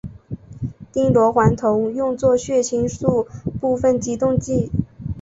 丁螺环酮用作血清素部分激动剂。